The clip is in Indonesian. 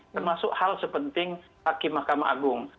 termasuk hal sepenting hakim mahkamah agung